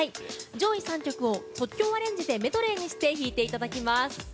上位３曲を即興アレンジでメドレーにして弾いていただきます。